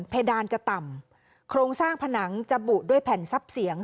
เพดานจะต่ำโครงสร้างผนังจะบุด้วยแผ่นซับเสียง